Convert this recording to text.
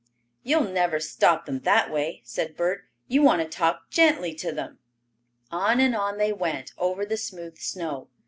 "You'll never stop them that way," said Bert. "You want to talk gently to them." On and on they went, over the smooth snow.